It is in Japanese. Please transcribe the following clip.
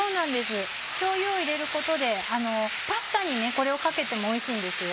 しょうゆを入れることでパスタにこれをかけてもおいしいんですよ。